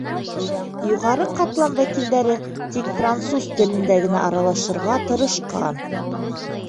Юғары ҡатлам вәкилдәре тик француз телендә генә аралашырға тырышҡан.